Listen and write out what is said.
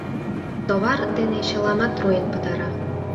Товар дене чыламат руэн пытара...